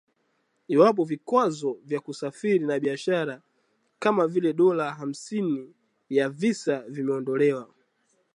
iwapo vikwazo vya kusafiri na biashara kama vile dola hamsini ya visa vimeondolewa